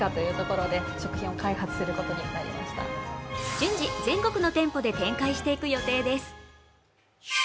順次全国の店舗で展開していく予定です。